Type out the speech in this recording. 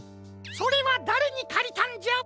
それはだれにかりたんじゃ？